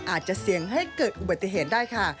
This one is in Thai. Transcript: อาจจะเสี่ยงให้เกิดอุบัติเหตุได้ค่ะ